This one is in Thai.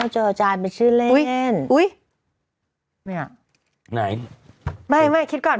อ๋อจอจารเป็นชื่อเล่นอุ้ยนี่ไหนไม่ไม่คิดก่อน